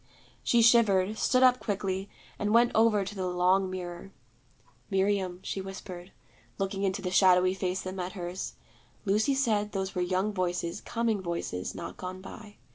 She shivered, stood up quickly, and went over to the long mirror. 'Miriam,' she whispered, looking into the shadowy face that met hers, 'Lucy said those were young voices, coming voices, not gone by.